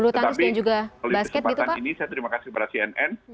tetapi oleh kesempatan ini saya terima kasih kepada cnn